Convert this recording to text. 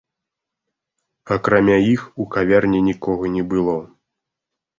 Акрамя іх у кавярні нікога не было.